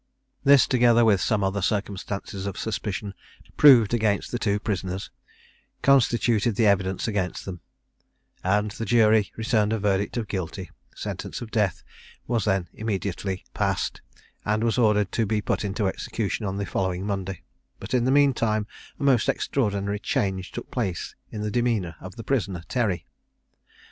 This, together with some other circumstances of suspicion, proved against the two prisoners, constituted the evidence against them; and the jury returned a verdict of Guilty. Sentence of death was then immediately [Illustration: John Smith robbing a Hackney Coachman. p. 379.] passed, and was ordered to be put into execution on the following Monday; but in the mean time a most extraordinary change took place in the demeanour of the prisoner Terry.